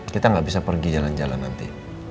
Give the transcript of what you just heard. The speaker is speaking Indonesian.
kita nggak bisa pergi jalan jalan nanti